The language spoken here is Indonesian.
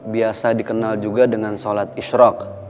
biasa dikenal juga dengan sholat ishroq